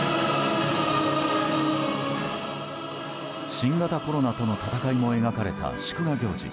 新型コロナとの闘いを描かれた祝賀行事。